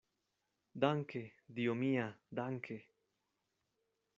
Danke, Dio mia, danke!